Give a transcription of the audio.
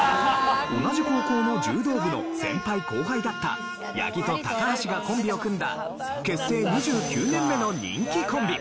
同じ高校の柔道部の先輩後輩だった八木と高橋がコンビを組んだ結成２９年目の人気コンビ。